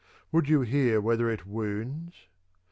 Would you hear whether it wounds